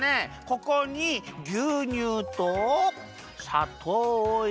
ここにぎゅうにゅうとさとうをいれて。